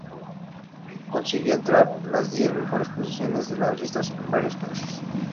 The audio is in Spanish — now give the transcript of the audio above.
Consiguió entrar entre las diez mejores posiciones de las listas en varios países.